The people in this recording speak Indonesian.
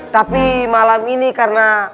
tapi malam ini karena